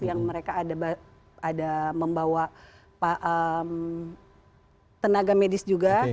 yang mereka ada membawa tenaga medis juga